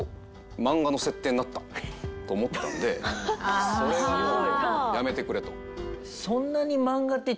漫画の設定になった！と思ったんでそれはもうやめてくれと。